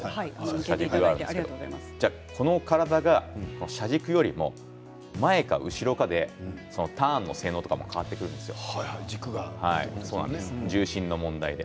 この体が車軸よりも前か後ろかでターンの性能も変わってくるんです重心の問題で。